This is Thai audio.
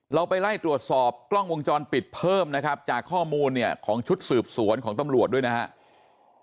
เราไปไล่ตรวจสอบกล้องวงจรปิดเพิ่มนะครับจากข้อมูลเนี่ยของชุดสืบสวนของตำรวจด้วยนะครับ